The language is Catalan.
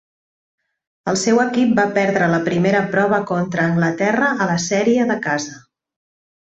El seu equip va perdre la primera prova contra Anglaterra a la sèrie de casa.